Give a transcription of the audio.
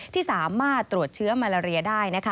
ที่สามารถตรวจเชื้อมาลาเรียได้นะคะ